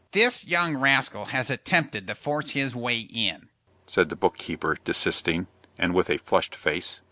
"This young rascal has attempted to force his way in," said the book keeper, desisting, and with a flushed face.